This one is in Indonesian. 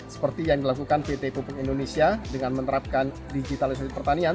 seperti yang dilakukan pt pupuk indonesia dengan menerapkan digitalisasi pertanian